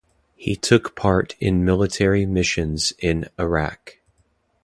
He took part in military missions in Iraq.